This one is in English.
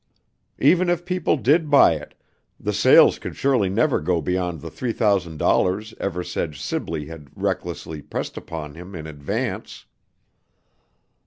Even if people did buy it, the sales could surely never go beyond the three thousand dollars Eversedge Sibley had recklessly pressed upon him in advance!